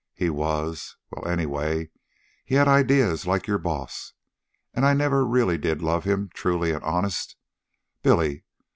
He was... well, anyway, he had ideas like your boss. And I never really did love him, truly and honest, Billy.